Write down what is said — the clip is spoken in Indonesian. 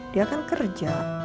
dia kan kerja